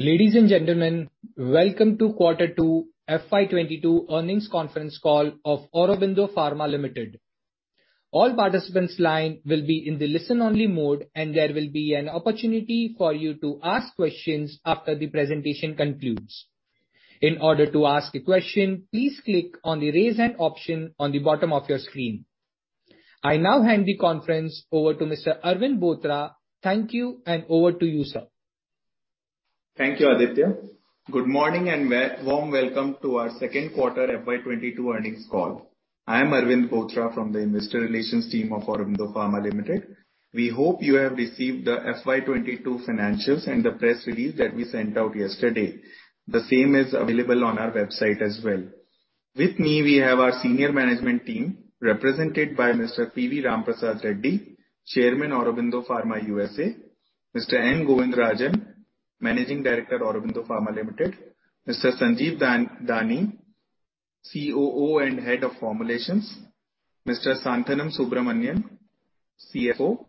Ladies and gentlemen, welcome to quarter two FY 2022 earnings conference call of Aurobindo Pharma Limited. All participants' lines will be in the listen-only mode, and there will be an opportunity for you to ask questions after the presentation concludes. In order to ask a question, please click on the Raise Hand option on the bottom of your screen. I now hand the conference over to Mr. Arvind Bothra. Thank you, and over to you, sir. Thank you, Aditya. Good morning and warm welcome to our second quarter FY 2022 earnings call. I am Arvind Bothra from the Investor Relations team of Aurobindo Pharma Limited. We hope you have received the FY 2022 financials and the press release that we sent out yesterday. The same is available on our website as well. With me, we have our senior management team, represented by Mr. PV Ramprasad Reddy, Chairman, Aurobindo Pharma USA, Mr. N Govindarajan, Managing Director, Aurobindo Pharma Limited, Mr. Sanjeev Dani, COO and Head of Formulations, Mr. Santhanam Subramanian, CFO,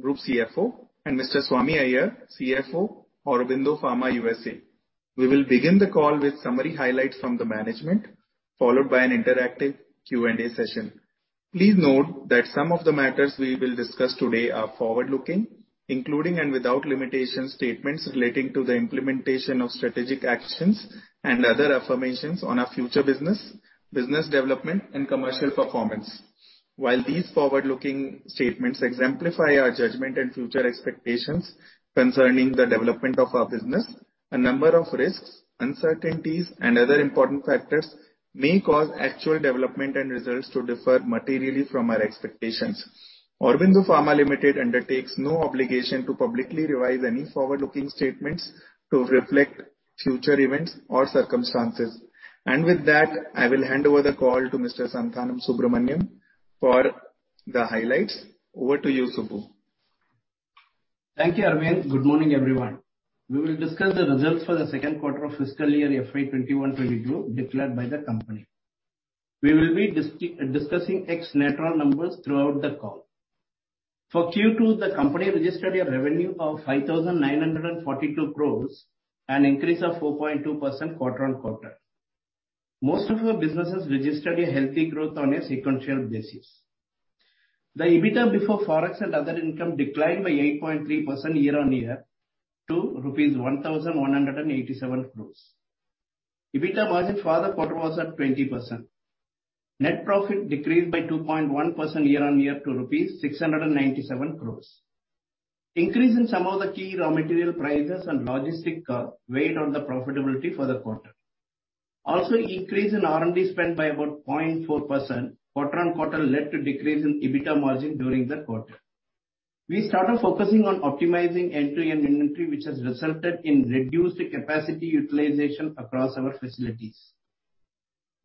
Group CFO, and Mr. Swami Iyer, CFO, Aurobindo Pharma USA. We will begin the call with summary highlights from the management, followed by an interactive Q&A session. Please note that some of the matters we will discuss today are forward-looking, including and without limitation, statements relating to the implementation of strategic actions and other affirmations on our future business development and commercial performance. While these forward-looking statements exemplify our judgment and future expectations concerning the development of our business, a number of risks, uncertainties and other important factors may cause actual development and results to differ materially from our expectations. Aurobindo Pharma Limited undertakes no obligation to publicly revise any forward-looking statements to reflect future events or circumstances. With that, I will hand over the call to Mr. Santhanam Subramanian for the highlights. Over to you, Subbu. Thank you, Arvind. Good morning, everyone. We will discuss the results for the second quarter of fiscal year FY 2021 as reviewed and declared by the company. We will be discussing FX-neutral numbers throughout the call. For Q2, the company registered a revenue of 5,942 crores, an increase of 4.2% quarter-on-quarter. Most of the businesses registered a healthy growth on a sequential basis. The EBITDA before ForEx and other income declined by 8.3% year-on-year to rupees 1,187 crores. EBITDA margin for the quarter was at 20%. Net profit decreased by 2.1% year-on-year to rupees 697 crores. Increase in some of the key raw material prices and logistic cost weighed on the profitability for the quarter. Increase in R&D spend by about 0.4% quarter-on-quarter led to decrease in EBITDA margin during the quarter. We started focusing on optimizing end-to-end inventory, which has resulted in reduced capacity utilization across our facilities.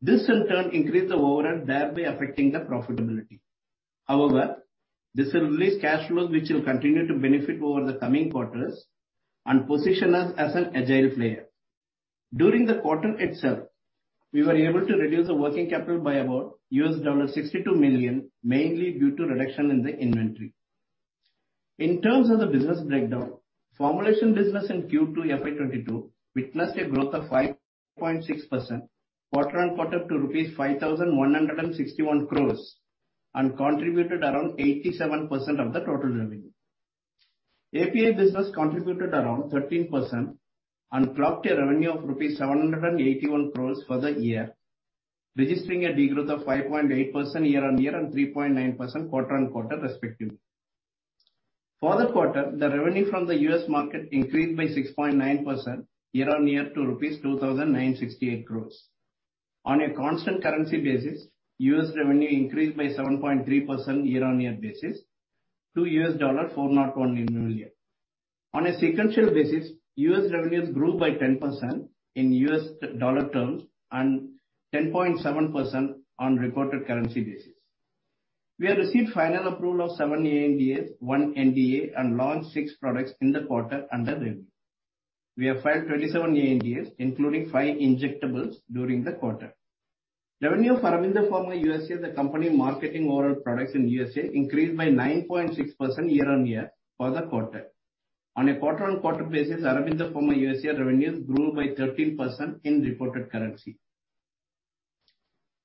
This in turn increased the overhead, thereby affecting the profitability. However, this will release cash flows which will continue to benefit over the coming quarters and position us as an agile player. During the quarter itself, we were able to reduce the working capital by about $62 million, mainly due to reduction in the inventory. In terms of the business breakdown, formulation business in Q2 FY 2022 witnessed a growth of 5.6% quarter-on-quarter to rupees 5,161 crores and contributed around 87% of the total revenue. API business contributed around 13% and clocked a revenue of rupees 781 crores for the year, registering a degrowth of 5.8% year-on-year and 3.9% quarter-on-quarter respectively. For the quarter, the revenue from the U.S. market increased by 6.9% year-on-year to rupees 2,968 crores. On a constant currency basis, U.S. revenue increased by 7.3% year-on-year basis to $401 million. On a sequential basis, U.S. revenues grew by 10% in U.S. dollar terms and 10.7% on reported currency basis. We have received final approval of 7 ANDAs, 1 NDA, and launched six products in the quarter under review. We have filed 27 ANDAs, including five injectables, during the quarter. Revenue for Aurobindo Pharma USA, the company marketing oral products in the U.S., increased by 9.6% year-over-year for the quarter. On a quarter-over-quarter basis, Aurobindo Pharma USA revenues grew by 13% in reported currency.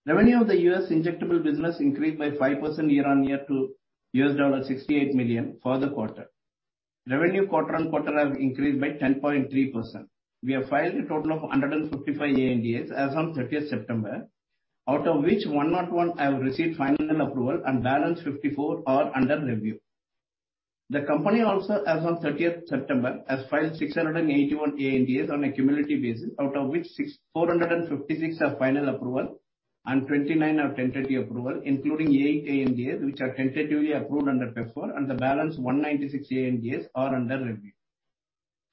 Revenue of the U.S. injectable business increased by 5% year-over-year to $68 million for the quarter. Revenue quarter-over-quarter have increased by 10.3%. We have filed a total of 155 ANDAs as on 30 September, out of which 101 have received final approval and balance 54 are under review. The company also, as on 30th September has filed 681 ANDAs on a cumulative basis, out of which 456 have final approval and 29 have tentative approval, including 8 ANDAs which are tentatively approved under PEPFAR, and the balance 196 ANDAs are under review.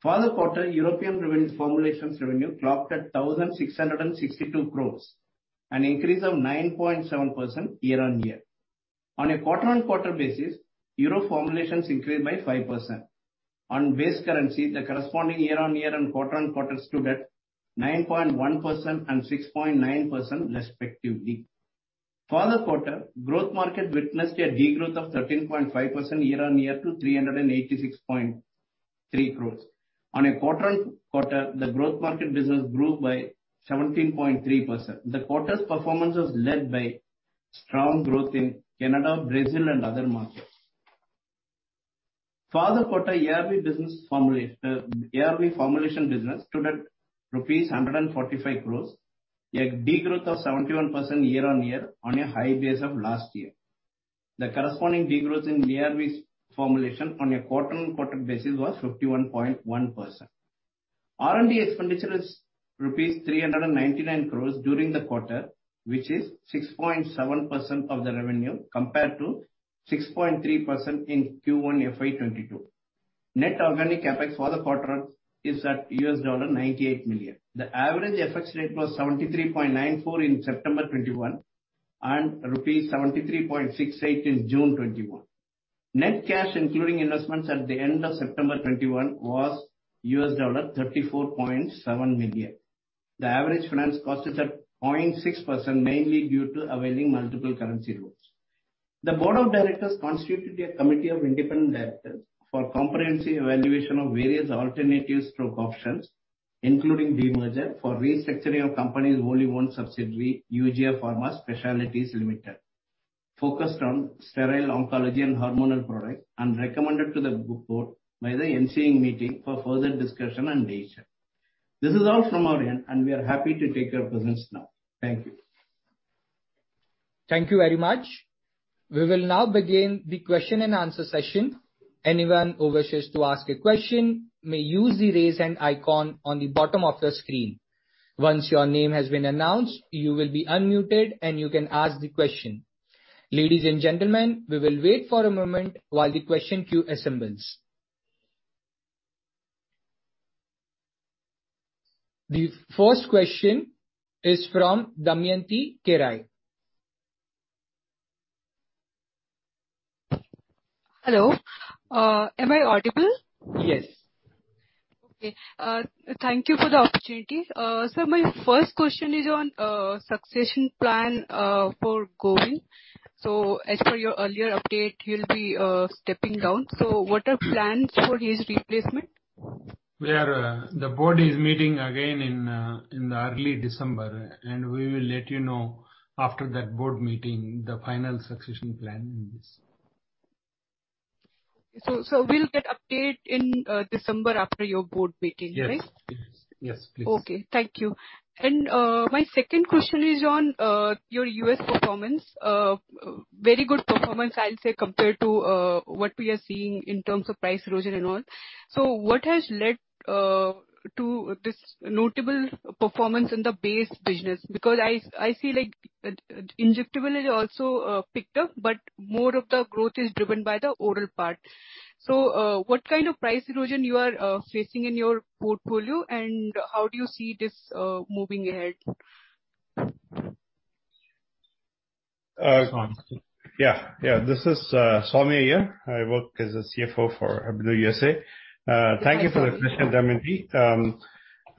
For the quarter, European formulations revenue clocked at 1,662 crore, an increase of 9.7% year-on-year. On a quarter-on-quarter basis, Euro formulations increased by 5%. On base currency, the corresponding year-on-year and quarter-on-quarter stood at 9.1% and 6.9% respectively. For the quarter, growth market witnessed a degrowth of 13.5% year-on-year to 386.3 crore. On a quarter-on-quarter, the growth market business grew by 17.3%. The quarter's performance was led by strong growth in Canada, Brazil and other markets. For the quarter, ARV formulation business stood at 145 crore, a degrowth of 71% year-on-year on a high base of last year. The corresponding degrowth in ARV's formulation on a quarter-on-quarter basis was 51.1%. R&D expenditure is rupees 399 crore during the quarter, which is 6.7% of the revenue, compared to 6.3% in Q1 FY 2022. Net organic FX for the quarter is at $98 million. The average FX rate was 73.94 in September 2021, and rupee 73.68 in June 2021. Net cash including investments at the end of September 2021 was $34.7 million. The average finance cost is at 0.6%, mainly due to availing multiple currency loans. The Board of Directors constituted a committee of independent directors for comprehensive evaluation of various alternatives for options, including demerger for restructuring of Company's wholly-owned subsidiary, Eugia Pharma Specialities Limited, focused on sterile oncology and hormonal products, and recommended to the group board by the ensuing meeting for further discussion and closure. This is all from our end, and we are happy to take your questions now. Thank you. Thank you very much. We will now begin the question and answer session. Anyone who wishes to ask a question may use the Raise Hand icon on the bottom of the screen. Once your name has been announced, you will be unmuted and you can ask the question. Ladies and gentlemen, we will wait for a moment while the question queue assembles. The first question is from Damayanti Kerai. Hello. Am I audible? Yes. Okay. Thank you for the opportunity. My first question is on succession plan for Govind. As per your earlier update, he'll be stepping down. What are plans for his replacement? The board is meeting again in early December, and we will let you know after that board meeting the final succession plan. We'll get update in December after your board meeting, right? Yes. Yes. Yes, please. Okay. Thank you. My second question is on your U.S. performance. Very good performance I'll say, compared to what we are seeing in terms of price erosion and all. What has led to this notable performance in the base business? Because I see like injectable has also picked up, but more of the growth is driven by the oral part. What kind of price erosion you are facing in your portfolio, and how do you see this moving ahead? Biren Shah. This is Biren Shah here. I work as a CFO for Aurobindo USA. Thank you for the question, Damayanti.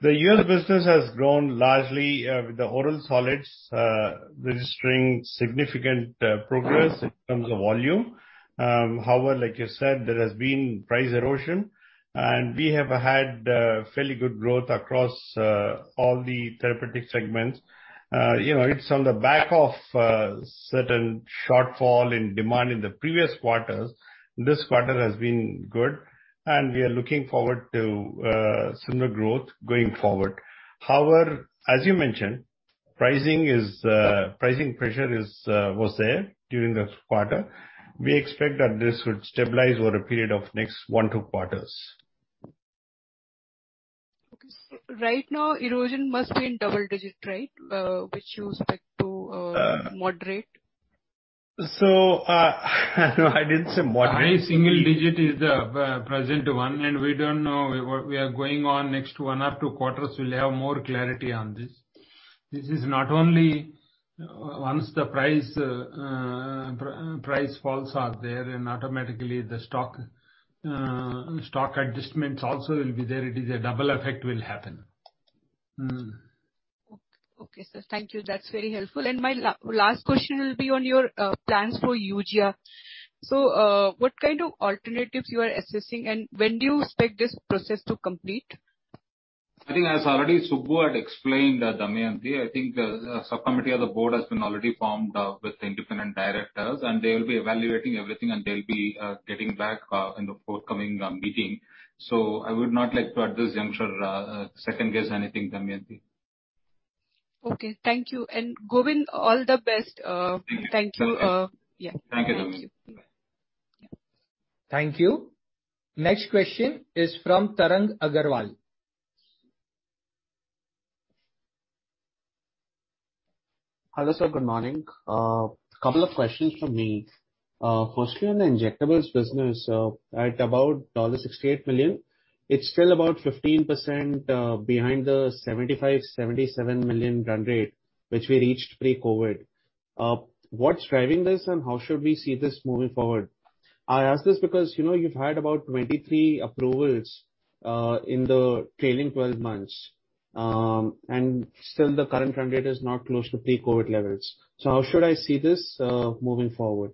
The U.S. business has grown largely with the oral solids registering significant progress in terms of volume. However, like you said, there has been price erosion, and we have had fairly good growth across all the therapeutic segments. You know, it's on the back of certain shortfall in demand in the previous quarters. This quarter has been good, and we are looking forward to similar growth going forward. However, as you mentioned, pricing pressure was there during the quarter. We expect that this would stabilize over a period of next one or two quarters. Okay. Right now, erosion must be in double digit, right? Which you expect to moderate. No, I didn't say moderate. High single digit is the present one, and we don't know where we are going on next one or two quarters. We'll have more clarity on this. This is not only once the price falls are there, and automatically the stock adjustments also will be there. It is a double effect will happen. Okay. Okay, sir. Thank you. That's very helpful. My last question will be on your plans for Eugia. What kind of alternatives you are assessing, and when do you expect this process to complete? I think as already Subbu had explained, Damayanti, I think the subcommittee of the board has been already formed with independent directors, and they will be evaluating everything and they'll be getting back in the forthcoming meeting. I would not like to at this juncture second-guess anything, Damayanti. Okay. Thank you. Govind, all the best. Thank you. Thank you, yeah. Thank you, Damayanti. Bye. Yeah. Thank you. Next question is from Tarang Aggarwal. Hello, sir. Good morning. Couple of questions from me. Firstly on the injectables business, at about $68 million, it's still about 15% behind the $75 million-$77 million run rate which we reached pre-COVID. What's driving this and how should we see this moving forward? I ask this because, you know, you've had about 23 approvals in the trailing twelve months, and still the current run rate is not close to pre-COVID levels. How should I see this moving forward?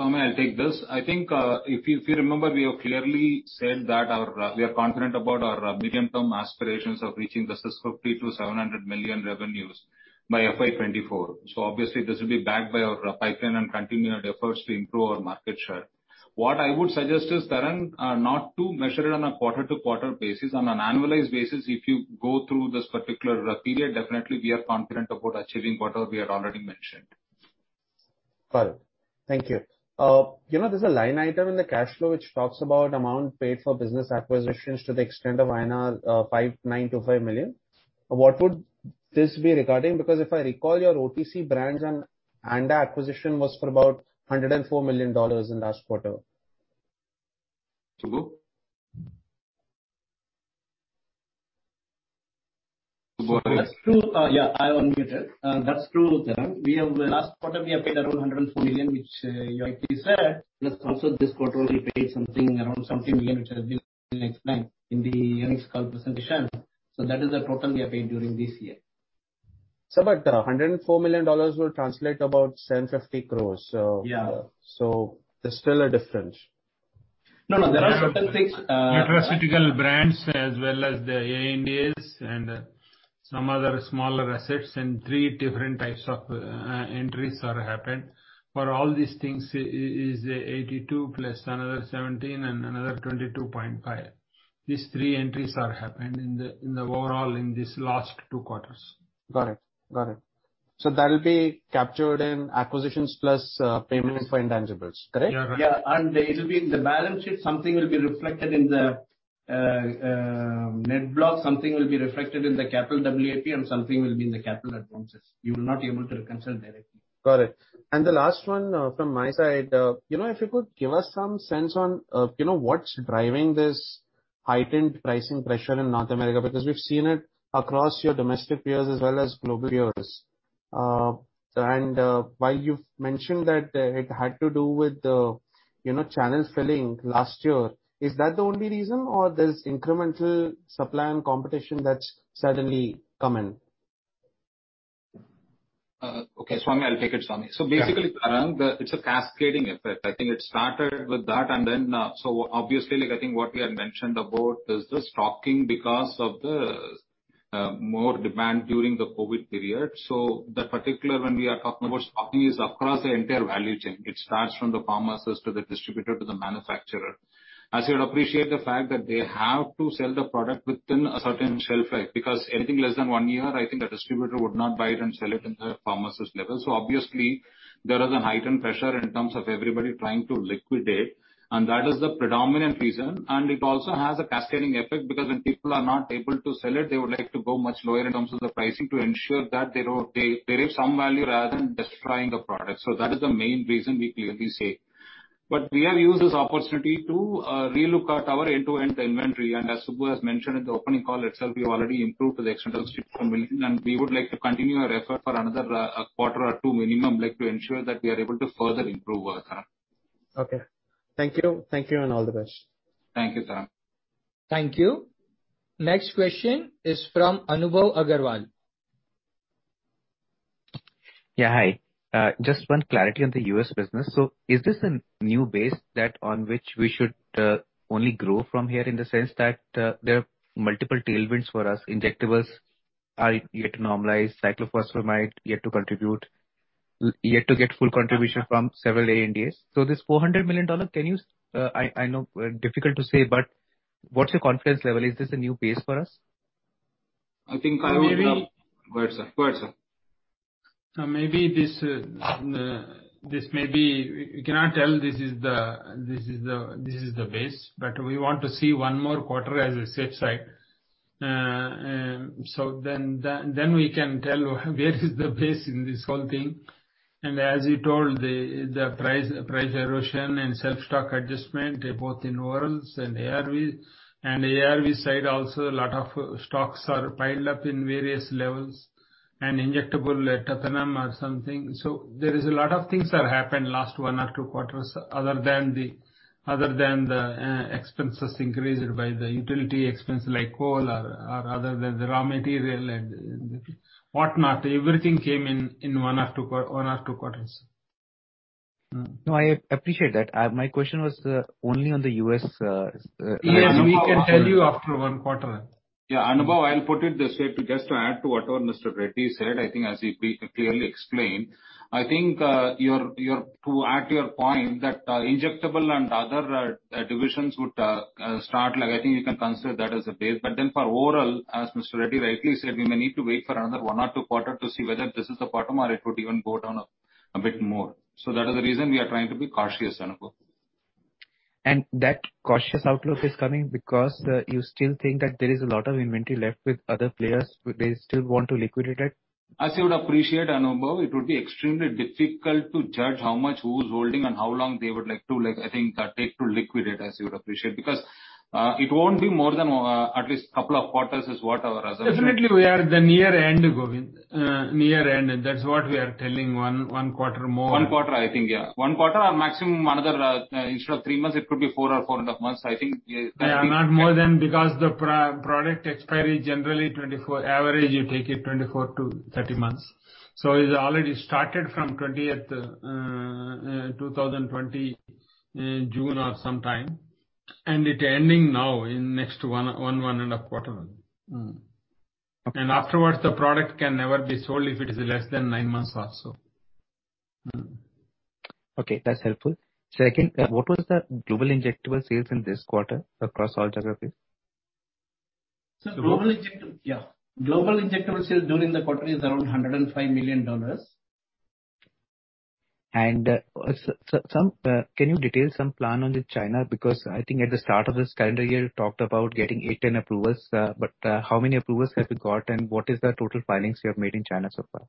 Swamy, I'll take this. I think, if you remember, we have clearly said that we are confident about our medium-term aspirations of reaching the US $650 million-$700 million revenues by FY 2024. Obviously this will be backed by our pipeline and continued efforts to improve our market share. What I would suggest is, Tarang, not to measure it on a quarter-to-quarter basis. On an annualized basis, if you go through this particular period, definitely we are confident about achieving what all we have already mentioned. Got it. Thank you. You know, there's a line item in the cash flow which talks about amount paid for business acquisitions to the extent of INR 5,925 million. What would this be regarding? Because if I recall, your OTC brands and that acquisition was for about $104 million in last quarter. Subbu? Subbu, go ahead. That's true, Tarang. We have paid around 104 million last quarter, which you rightly said. Plus also this quarter we paid something around 70 million, which has been explained in the earnings call presentation. That is the total we have paid during this year. $104 million will translate about 1,050 crores. Yeah. There's still a difference. No, no. There are certain things. Pharmaceutical brands as well as the ANDAs and some other smaller assets and three different types of entries are happened. For all these things is 82 plus another 17 and another 22.5. These three entries are happened in the overall in these last two quarters. Got it. That'll be captured in acquisitions plus, payments for intangibles, correct? Yeah. It will be in the balance sheet, something will be reflected in the net block, something will be reflected in the Capital CWIP, and something will be in the capital advances. You will not be able to reconcile directly. Got it. The last one from my side, you know, if you could give us some sense on, you know, what's driving this heightened pricing pressure in North America, because we've seen it across your domestic peers as well as global peers. While you've mentioned that, it had to do with the, you know, channel filling last year, is that the only reason or there's incremental supply and competition that's suddenly come in? Okay, Swamy. I'll take it, Swamy. Basically, Tarang, it's a cascading effect. I think it started with that and then, so obviously, like I think what we had mentioned about is the stocking because of the more demand during the COVID period. That particular when we are talking about stocking is across the entire value chain. It starts from the pharmacist to the distributor to the manufacturer. As you'll appreciate the fact that they have to sell the product within a certain shelf life, because anything less than one year, I think the distributor would not buy it and sell it in the pharmacist level. Obviously there is a heightened pressure in terms of everybody trying to liquidate, and that is the predominant reason. It also has a cascading effect because when people are not able to sell it, they would like to go much lower in terms of the pricing to ensure that there is some value rather than destroying the product. That is the main reason we clearly say. We have used this opportunity to relook at our end-to-end inventory, and as Subbu has mentioned in the opening call itself, we already improved to the extent of 64 million, and we would like to continue our effort for another quarter or two minimum to ensure that we are able to further improve our time. Okay. Thank you. Thank you and all the best. Thank you, Tarang Thank you. Next question is from Anubhav Agarwal. Yeah, hi. Just one clarity on the U.S. business. Is this a new base that on which we should only grow from here in the sense that there are multiple tailwinds for us, injectables are yet to normalize, Cyclophosphamide yet to contribute, yet to get full contribution from several ANDAs. This $400 million, I know difficult to say, but what's your confidence level? Is this a new base for us? I think I would. Go ahead, sir. Go ahead, sir. We cannot tell this is the base, but we want to see one more quarter as a safe side. We can tell where is the base in this whole thing. As you told, the price erosion and channel stock adjustment both in orals and ARV. ARV side also a lot of stocks are piled up in various levels. Injectable etanercept or something. There is a lot of things that happened last one or two quarters other than the expenses increased by the utility expense like coal or other than the raw material and whatnot. Everything came in one or two quarters. No, I appreciate that. My question was only on the U.S. Yes, we can tell you after one quarter. Yeah, Anubhav, I'll put it this way to just add to whatever Mr. Reddy said. I think as he previously explained, I think, to add to your point that injectable and other divisions would start. Like I think you can consider that as a base. Then for overall, as Mr. Reddy rightly said, we may need to wait for another one or two quarter to see whether this is the bottom or it would even go down a bit more. That is the reason we are trying to be cautious, Anubhav. That cautious outlook is coming because, you still think that there is a lot of inventory left with other players, they still want to liquidate it? As you would appreciate, Anubhav, it would be extremely difficult to judge how much who's holding and how long they would like to, I think, take to liquidate, as you would appreciate, because, it won't be more than, at least couple of quarters is what our assumption- Definitely we are the near end, Govind. Near end, that's what we are telling, one quarter more. One quarter, I think. Yeah. One quarter or maximum another, instead of three months, it could be four or 4.5 and 5.monthsthink. Yeah, not more than because the product expiry generally 24-30 months. Average you take it 24-30 months. It already started from 20th 2020 June or sometime, and it ending now in next one and a quarter month. Okay. Afterwards, the product can never be sold if it is less than nine months or so. Okay, that's helpful. Second, what was the global injectable sales in this quarter across all geographies? Global injectable sales during the quarter is around $105 million. Can you detail some plan on China because I think at the start of this calendar year, you talked about getting eight to 10 approvals, but how many approvals have you got and what is the total filings you have made in China so far?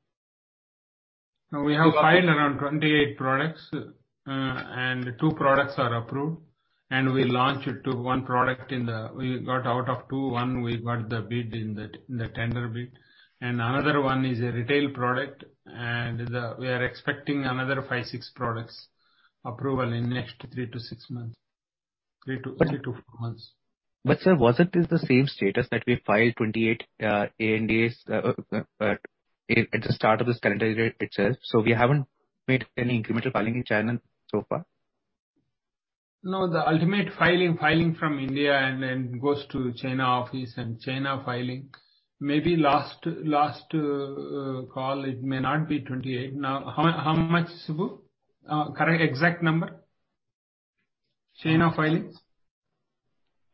We have filed around 28 products, and two products are approved. We launched two, one we got the bid in the tender bid. Another one is a retail product, and we are expecting another five, six products approval in the next three to four months. Sir, wasn't this the same status that we filed 28 ANDAs at the start of this calendar year itself, so we haven't made any incremental filing in China so far? No, the ultimate filing from India and then goes to China office and China filing, maybe last, call it may not be 28. Now, how much, Subbu? Correct exact number? China filings.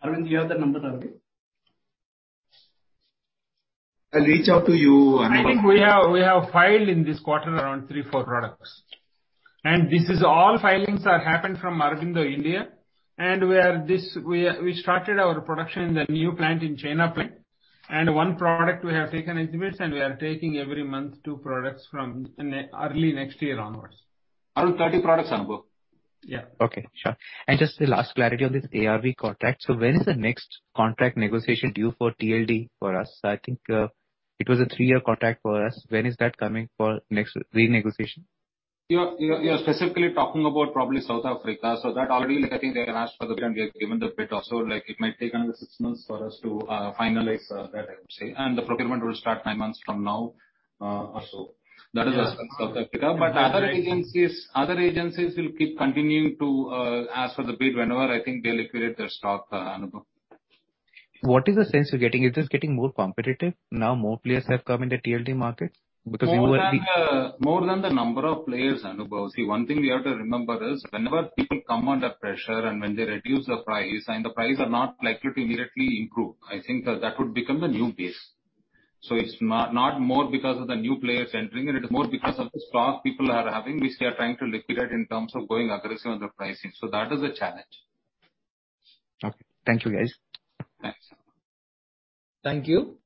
Arvind, do you have the numbers already? I'll reach out to you and I think. We have filed in this quarter around three to four products. This is all filings are happened from Aurobindo India. We started our production in the new plant in China plant. One product we have taken exhibits, and we are taking every month twoproducts from early next year onwards. Around 30 products, Anubhav. Yeah. Okay. Sure. Just the last clarity on this ARV contract. When is the next contract negotiation due for TLD for us? I think, it was a three-year contract for us. When is that coming for next renegotiation? You're specifically talking about probably South Africa. That already like I think they have asked for the bid, and we have given the bid also. Like it might take another six months for us to finalize that I would say. The procurement will start nine months from now or so. That is South Africa. Other agencies will keep continuing to ask for the bid whenever I think they liquidate their stock, Anubhav. What is the sense you're getting? Is this getting more competitive now more players have come in the TLD market? Because you were the. More than the number of players, Anubhav. See, one thing we have to remember is whenever people come under pressure and when they reduce the price and the price are not likely to immediately improve, I think that would become the new base. It's not more because of the new players entering it. It's more because of the stock people are having, which they are trying to liquidate in terms of going aggressive on the pricing. That is a challenge. Okay. Thank you, guys. Thanks. Thank you.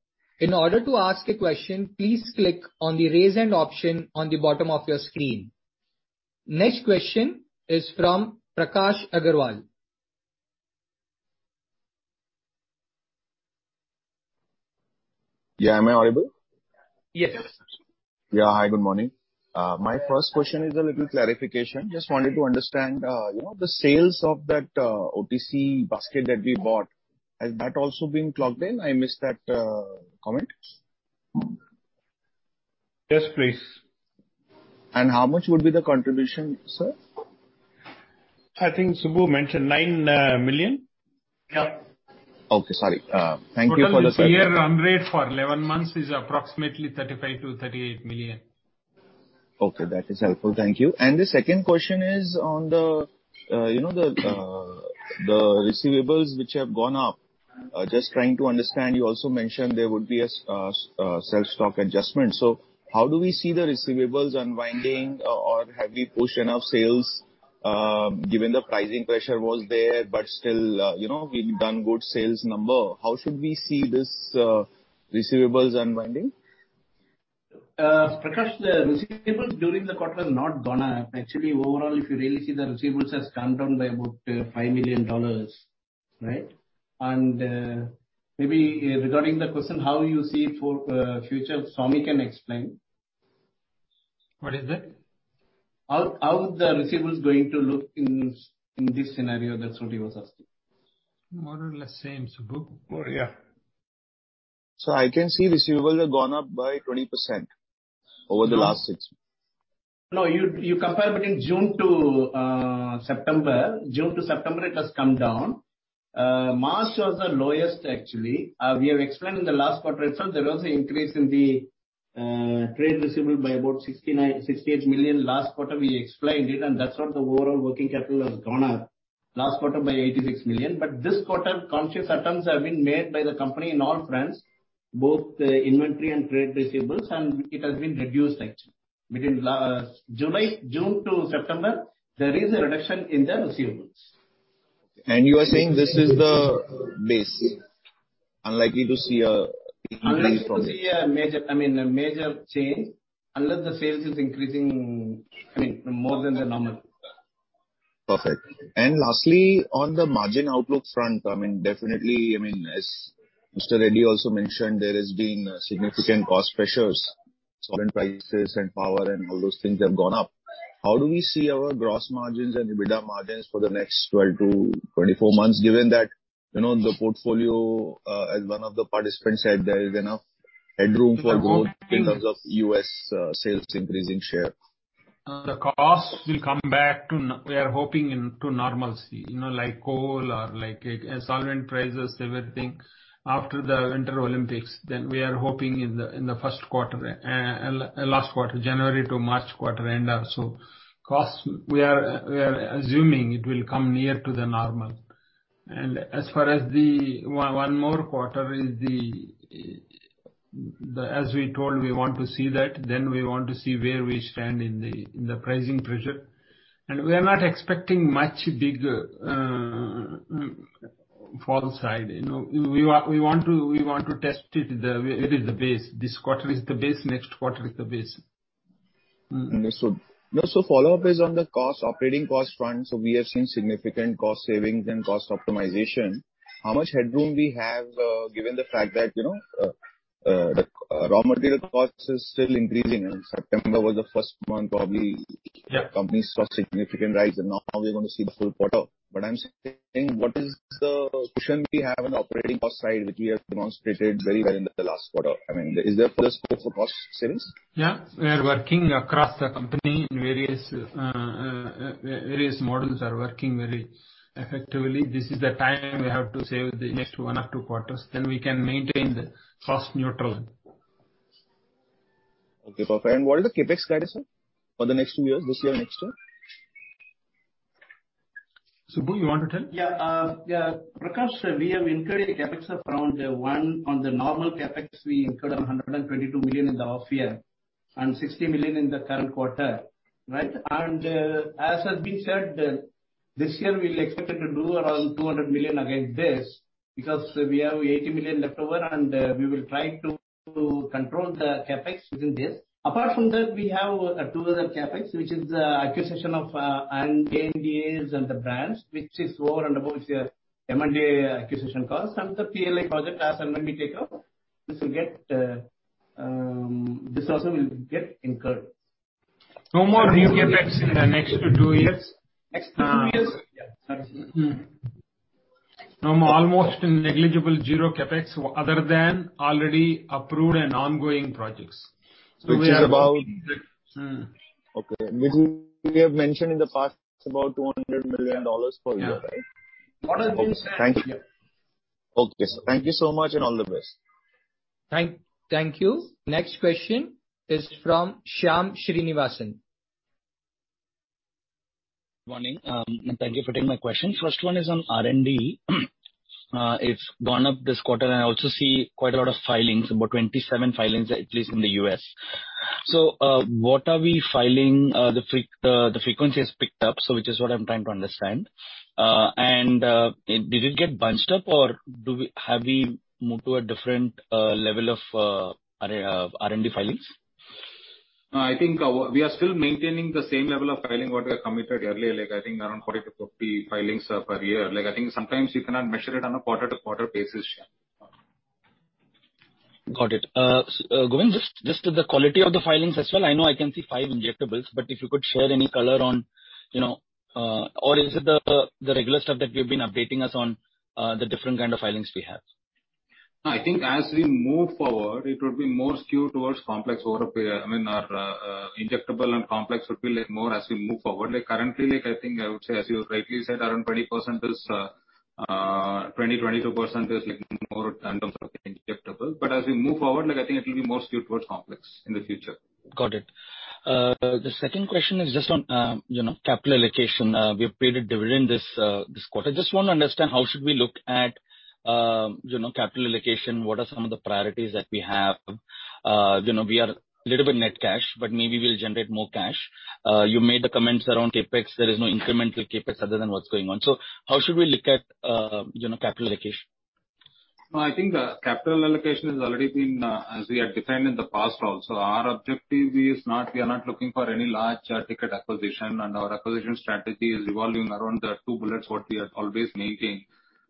In order to ask a question, please click on the Raise Hand option on the bottom of your screen. Next question is from Prakash Agarwal. Yeah. Am I audible? Yes. Yeah. Hi, good morning. My first question is a little clarification. Just wanted to understand, you know, the sales of that OTC basket that we bought. Has that also been clocked in? I missed that comment. Yes, please. How much would be the contribution, sir? I think Subbu mentioned 9 million. Yeah. Okay. Sorry. Thank you for the. Total this year run rate for 11 months is approximately 35 million-38 million. Okay, that is helpful. Thank you. The second question is on the receivables which have gone up. Just trying to understand, you also mentioned there would be a self-stock adjustment. How do we see the receivables unwinding, or have we pushed enough sales, given the pricing pressure was there, but still, you know, we've done good sales number. How should we see this receivables unwinding? Prakash, the receivables during the quarter have not gone up. Actually, overall, if you really see the receivables has come down by about $5 million, right? Maybe regarding the question how you see it for future, Swamy can explain. What is that? How the receivables going to look in this scenario? That's what he was asking. More or less same, Subbu. More, yeah. I can see receivables have gone up by 20% over the last six months. No, you compare between June to September. June to September it has come down. March was the lowest actually. We have explained in the last quarter itself there was an increase in the trade receivable by about INR 69, 68 million. Last quarter we explained it, and that's what the overall working capital has gone up last quarter by 86 million. This quarter, conscious attempts have been made by the company in all fronts, both the inventory and trade receivables, and it has been reduced actually. Between June to September, there is a reduction in the receivables. You are saying this is the base, unlikely to see a Unless you see a major change, unless the sales is increasing, I mean, more than the normal. Perfect. Lastly, on the margin outlook front, I mean, definitely, as Mr. Reddy also mentioned, there has been significant cost pressures, solvent prices and power and all those things have gone up. How do we see our gross margins and EBITDA margins for the next 12 to 24 months, given that, you know, the portfolio, as one of the participants said, there is enough headroom for growth in terms of U.S. sales increasing share? The cost will come back to normalcy, you know, like coal or like solvent prices, everything. After the Winter Olympics, then we are hoping in the first quarter, last quarter, January to March quarter end also. Costs we are assuming it will come near to the normal. As far as one more quarter, as we told we want to see that, then we want to see where we stand in the pricing pressure. We are not expecting much bigger upside, you know. We want to test it the way it is the base. This quarter is the base, next quarter is the base. Understood. No, follow-up is on the cost, operating cost front. We have seen significant cost savings and cost optimization. How much headroom we have, given the fact that, you know, the raw material cost is still increasing, and September was the first month probably. Yeah. Companies saw significant rise, and now we're gonna see the full quarter. I'm saying, what is the position we have on operating cost side, which we have demonstrated very well in the last quarter? I mean, is there further scope for cost savings? Yeah. We are working across the company in various models are working very effectively. This is the time we have to save the next one or two quarters, then we can maintain the cost neutral. Okay, perfect. What is the CapEx guidance, sir, for the next two years, this year, next year? Subbu, you want to tell? Prakash, we have incurred a CapEx. On the normal CapEx, we incurred $122 million in the off year and $60 million in the current quarter. Right? As has been said, this year we'll expect to do around $200 million against this because we have $80 million leftover, and we will try to control the CapEx within this. Apart from that, we have two other CapEx, which is the acquisition of ANDAs and the brands, which is over and above your M&A acquisition costs. The PLI project as and when we take up, this also will get incurred. No more new CapEx in the next two years. Next two years? Yeah. That's it. No more. Almost negligible, zero CapEx other than already approved and ongoing projects. Which is about. Okay. This is, we have mentioned in the past, it's about $200 million per year, right? Yeah. What I've been saying, yeah. Okay. Thank you. Okay, sir. Thank you so much, and all the best. Thank you. Next question is from Shyam Srinivasan. Morning. Thank you for taking my question. First one is on R&D. It's gone up this quarter, and I also see quite a lot of filings, about 27 filings at least in the U.S. What are we filing? The frequency has picked up, so which is what I'm trying to understand. Did it get bunched up, or have we moved to a different level of R&D filings? No, I think we are still maintaining the same level of filing what we have committed earlier, like I think around 40-50 filings per year. Like, I think sometimes you cannot measure it on a quarter-to-quarter basis, Shyam. Got it. Govind, just the quality of the filings as well. I know I can see five injectables, but if you could share any color on, you know, or is it the regular stuff that you've been updating us on, the different kind of filings we have? No, I think as we move forward, it will be more skewed towards—I mean, our injectable and complex would be like more as we move forward. Like, currently, like I think I would say, as you rightly said, around 20%, 22% is like more in terms of injectable. As we move forward, like, I think it will be more skewed towards complex in the futur. Got it. The second question is just on, you know, capital allocation. We have paid a dividend this quarter. Just want to understand how should we look at, you know, capital allocation. What are some of the priorities that we have? You know, we are a little bit net cash, but maybe we'll generate more cash. You made the comments around CapEx. There is no incremental CapEx other than what's going on. How should we look at, you know, capital allocation? No, I think the capital allocation has already been as we have defined in the past also. Our objective is not, we are not looking for any large ticket acquisition, and our acquisition strategy is revolving around the two bullets that we are always maintaining.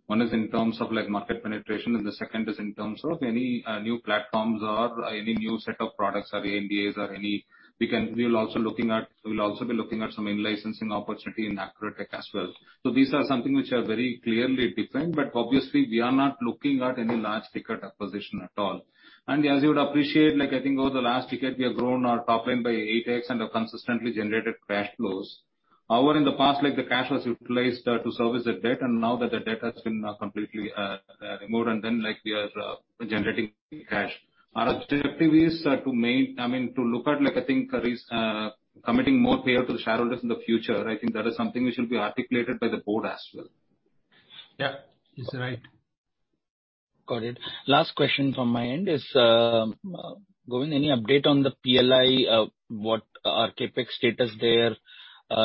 One is in terms of, like, market penetration, and the second is in terms of any new platforms or any new set of products or ANDAs or any. We'll also be looking at some in-licensing opportunity in AccurMedTech as well. These are something which are very clearly defined, but obviously we are not looking at any large ticket acquisition at all. As you would appreciate, like I think over the last decade, we have grown our top line by 8x and have consistently generated cash flows. However, in the past, like, the cash was utilized to service the debt, and now that the debt has been completely removed, and then, like, we are generating cash. Our objective is, I mean, to look at like I think there is committing more pay out to the shareholders in the future. I think that is something which will be articulated by the board as well. Yeah. It's right. Got it. Last question from my end is, Govind, any update on the PLI, what are CapEx status there?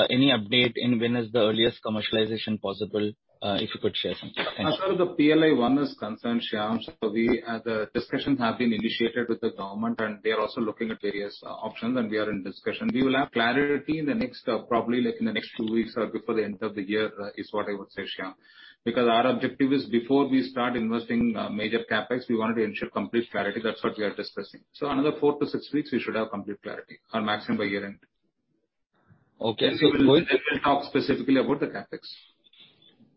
Any update in when is the earliest commercialization possible? If you could share something. Thanks. As far as the PLI one is concerned, Shyam, the discussions have been initiated with the government, and they are also looking at various options and we are in discussion. We will have clarity in the next, probably like in the next two weeks or before the end of the year is what I would say, Shyam. Because our objective is before we start investing, major CapEx, we wanted to ensure complete clarity. That's what we are discussing. Another four to six weeks, we should have complete clarity, or maximum by year-end. Okay. We'll talk specifically about the CapEx.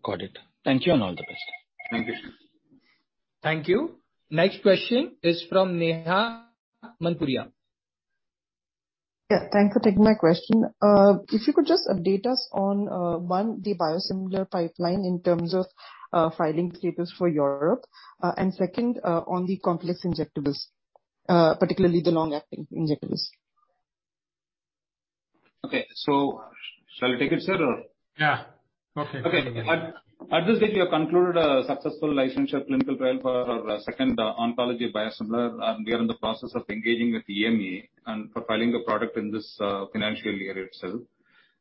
Got it. Thank you, and all the best. Thank you, Shyam. Thank you. Next question is from Neha Manturia. Kiin terms of filing papers for Europe. Second, on the complex injectables, particularly the long-acting injectables. Okay. Shall I take it, sir, or? Yeah. Okay. Okay. At this stage, we have concluded a successful licensure clinical trial for our second oncology biosimilar, and we are in the process of engaging with EMA and filing a product in this financial year itself.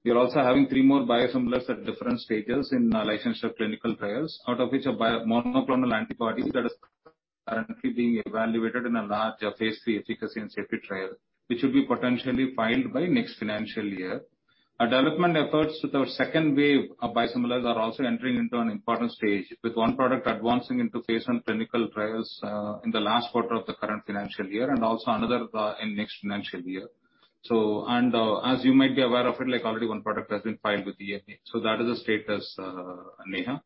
We are also having three more biosimilars at different stages in our licensure clinical trials, out of which a biosimilar monoclonal antibody that is currently being evaluated in a large Phase 3 efficacy and safety trial, which will be potentially filed by next financial year. Our development efforts with our second wave of biosimilars are also entering into an important stage, with one product advancing into phase III clinical trials in the last quarter of the current financial year and also another in next financial year. As you might be aware of it, like already one product has been filed with EMA. That is the status, Neha.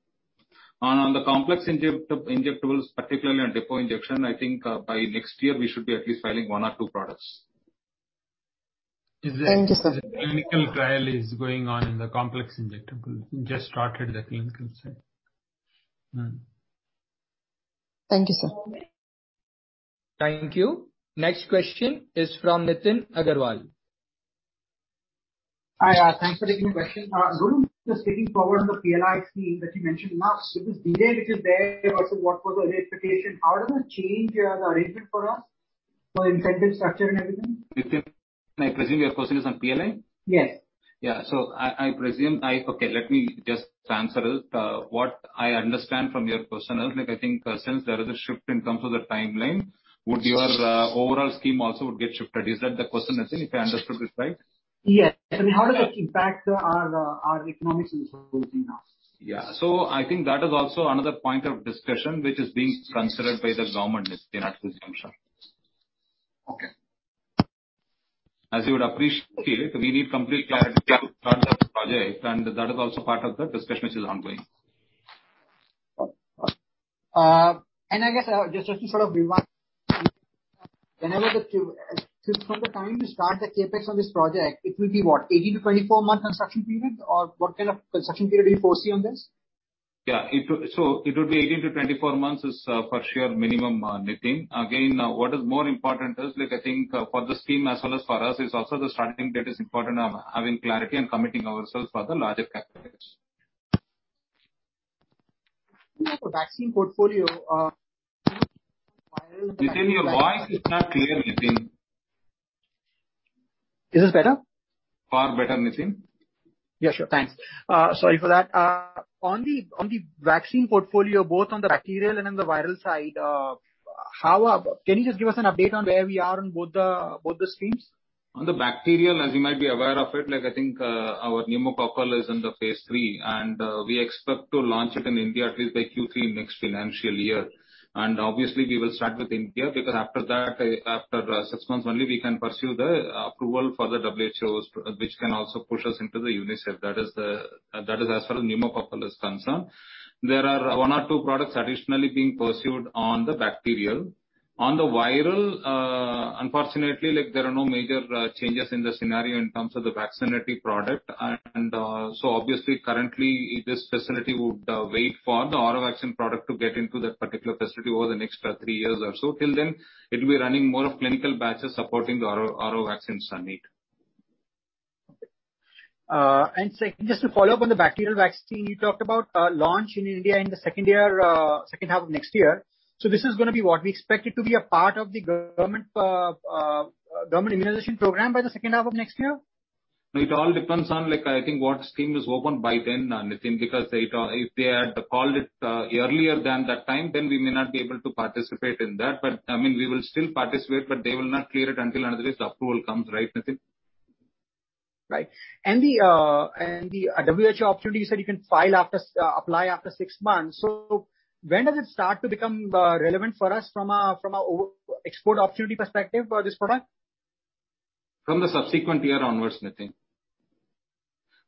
On the complex injectables, particularly on depot injection, I think by next year we should be at least filing one or two products. Thank you, sir. Is the clinical trial going on in the complex injectable? Just started the clinical trial. Mm-hmm. Thank you, sir. Thank you. Next question is from Nitin Agarwal. Hi, thanks for taking the question. Govind, just getting forward on the PLI scheme that you mentioned now. This delay which is there, so what was the expectation, how does it change your arrangement for us for incentive structure and everything? Nitin, I presume your question is on PLI. Yes. What I understand from your question is, like I think, since there is a shift in terms of the timeline, would your overall scheme also would get shifted? Is that the question, Nitin, if I understood it right? Yes. I mean, how does it impact our economics in this whole thing now? Yeah. I think that is also another point of discussion, which is being considered by the government, Nitin, at this juncture. Okay. As you would appreciate, we need complete clarity to start the project, and that is also part of the discussion which is ongoing. I guess, just to sort of rewind, from the time you start the CapEx on this project, it will be what, 18-24-month construction period, or what kind of construction period do you foresee on this? It would be 18-24 months is for sure minimum, Nitin. Again, what is more important is, like I think for the scheme as well as for us is also the starting date is important of having clarity and committing ourselves for the larger CapEx. Like the vaccine portfolio. Nitin, your voice is not clear, Nitin. Is this better? Far better, Nitin. Yeah, sure. Thanks. Sorry for that. On the vaccine portfolio, both on the bacterial and on the viral side, can you just give us an update on where we are on both the schemes? On the bacterial, as you might be aware of it, like I think, our pneumococcal is in Phase, and we expect to launch it in India at least by Q3 next financial year. Obviously we will start with India, because after that, after six months only we can pursue the approval for the WHO, which can also push us into the UNICEF. That is as far as pneumococcal is concerned. There are one or two products additionally being pursued on the bacterial. On the viral, unfortunately, like there are no major changes in the scenario in terms of the vaccine product and, so obviously currently this facility would wait for the COVID vaccine product to get into that particular facility over the next three years or so. Till then, it will be running more of clinical batches supporting the COVID vaccine submission. Second, just to follow up on the bacterial vaccine you talked about, launch in India in the second half of next year. This is gonna be what, we expect it to be a part of the government immunization program by the second half of next year? It all depends on, like, I think what scheme is open by then, Nitin, because it all, if they had called it, earlier than that time, then we may not be able to participate in that. But I mean, we will still participate, but they will not clear it until and unless the approval comes, right, Nitin? Right. The WHO opportunity you said you can apply after six months. When does it start to become relevant for us from an overall export opportunity perspective for this product? From the subsequent year onwards, Nitin.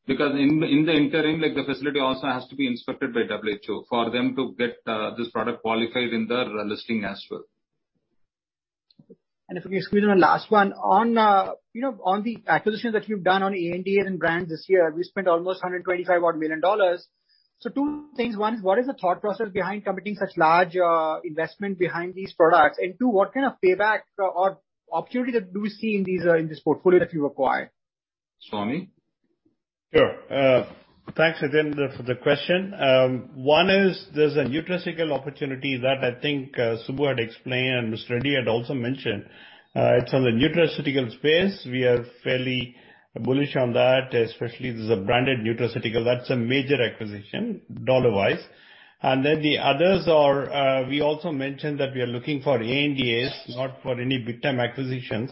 Because in the interim, like the facility also has to be inspected by WHO for them to get this product qualified in their listing as well. If we can squeeze in a last one. On the acquisitions that you've done on R&D and brands this year, we spent almost $125 million odd. Two things. One is, what is the thought process behind committing such large investment behind these products? And two, what kind of payback or opportunity do we see in these in this portfolio that you acquired? Swami? Sure. Thanks again for the question. One is there's a nutraceutical opportunity that I think, Subbu had explained and Mr. Reddy had also mentioned. It's on the nutraceutical We are fairly bullish on that, especially this is a branded nutraceutical. That's a major acquisition dollar wise. The others are, we also mentioned that we are looking for ANDAs, not for any big time acquisitions.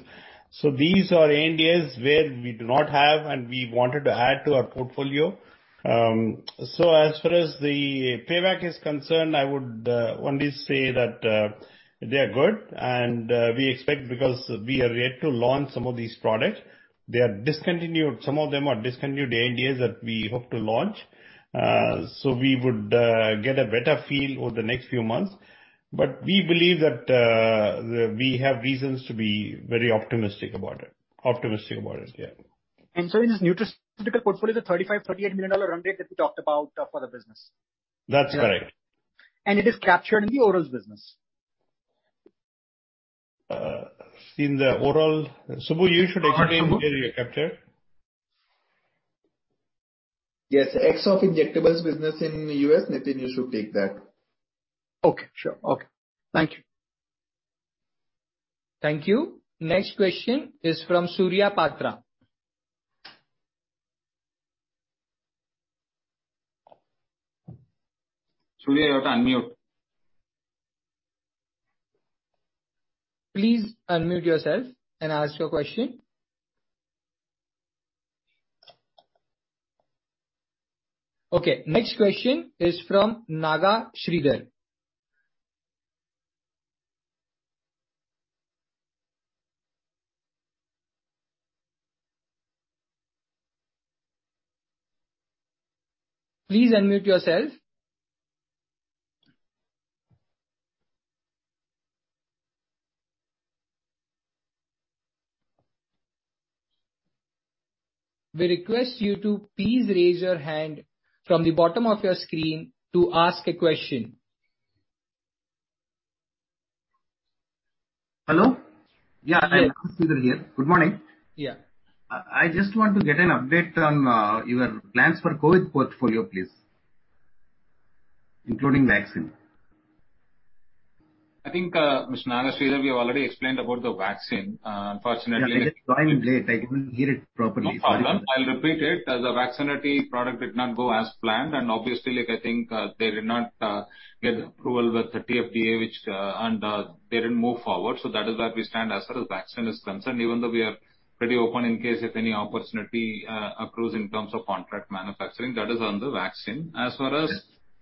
These are ANDAs where we do not have and we wanted to add to our portfolio. As far as the payback is concerned, I would only say that, they are good and, we expect because we are yet to launch some of these products. They are discontinued, some of them are discontinued ANDAs that we hope to launch. We would get a better feel over the next few months. We believe that we have reasons to be very optimistic about it. Yeah. In this nutraceutical portfolio, the $35 millions-$38 million run rate that we talked about for the business. That's correct. It is captured in the orals business. Subbu, you should explain where we capture. Yes. Head of injectables business in the U.S. Nitin, you should take that. Okay. Sure. Okay. Thank you. Thank you. Next question is from Surya Patra. Surya, you have to unmute. Please unmute yourself and ask your question. Okay, next question is from Naga Sridhar. Please unmute yourself. We request you to please raise your hand from the bottom of your screen to ask a question. Hello. Yeah, Naga Sridhar here. Good morning. Yeah. I just want to get an update on your plans for COVID portfolio, please, including vaccine. I think, Mr. Naga Sridhar, we have already explained about the vaccine. Unfortunately. Yeah, just joining late, I couldn't hear it properly. No problem. I'll repeat it. The Vaxxinity product did not go as planned and obviously, like I think, they did not get approval with the FDA, which and they didn't move forward. That is where we stand as far as vaccine is concerned, even though we are pretty open in case if any opportunity occurs in terms of contract manufacturing, that is on the vaccine. As far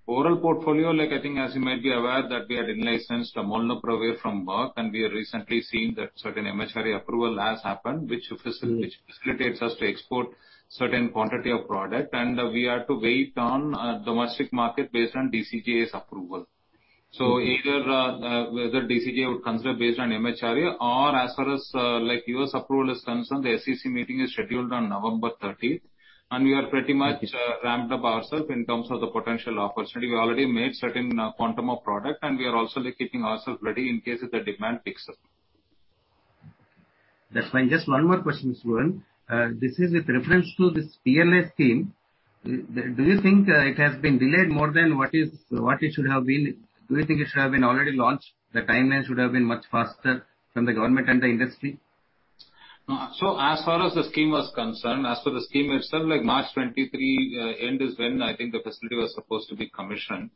as oral portfolio, like, I think as you might be aware, that we had licensed molnupiravir from Merck, and we are recently seeing that certain MHRA approval has happened, which facilitates us to export certain quantity of product. We are to wait on domestic market based on DCGI's approval. Either whether DCGI would consider based on MHRA or as far as, like, U.S. approval is concerned, the AdCom meeting is scheduled on November thirteenth, and we are pretty much ramped up ourselves in terms of the potential opportunity. We already made certain quantum of product, and we are also keeping ourselves ready in case if the demand picks up. That's fine. Just one more question, Subbu. This is with reference to this PLI scheme. Do you think it has been delayed more than what it should have been? Do you think it should have been already launched? The timeline should have been much faster from the government and the industry. As for the scheme itself, like March 2023 end is when I think the facility was supposed to be commissioned.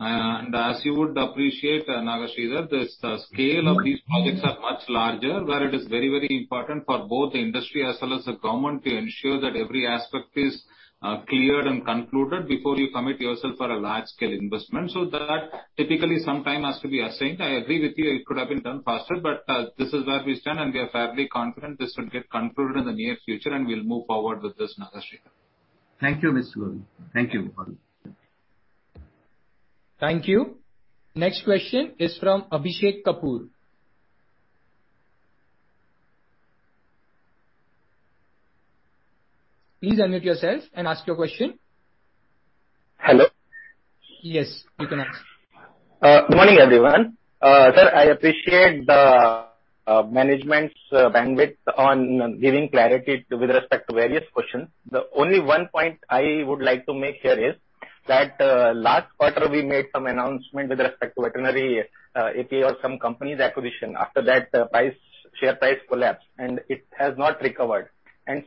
As you would appreciate, Naga Sridhar, the scale of these projects are much larger where it is very, very important for both the industry as well as the government to ensure that every aspect is cleared and concluded before you commit yourself for a large scale investment. That typically some time has to be assigned. I agree with you, it could have been done faster, but this is where we stand, and we are fairly confident this will get concluded in the near future and we'll move forward with this, Naga Sridhar. Thank you, Mr. Subbu. Thank you all. Thank you. Next question is from Abhishek Kapoor. Please unmute yourself and ask your question. Hello. Yes, you can ask. Good morning, everyone. Sir, I appreciate the management's bandwidth on giving clarity with respect to various questions. The only one point I would like to make here is that last quarter we made some announcement with respect to veterinary API of some company's acquisition. After that, the price, share price collapsed and it has not recovered.